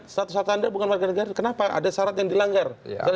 status warga negara kenapa ada syarat yang dilanggar